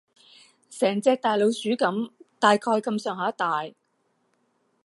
成隻大老鼠噉，大概噉上下大